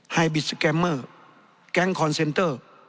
บิสแกมเมอร์แก๊งคอนเซนเตอร์